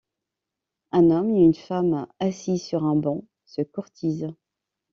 Un homme et une femme, assis sur un banc, se courtisent.